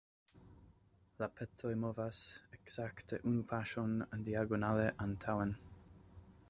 La pecoj movas ekzakte unu paŝon diagonale antaŭen.